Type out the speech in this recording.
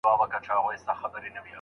د مطلقې ټاکل په کومو لارو کیږي؟